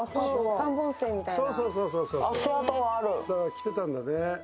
来てたんだね。